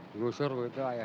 nggak ada tempat pindah